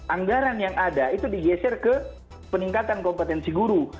anggaran yang ada itu digeser ke peningkatan kompetensi guru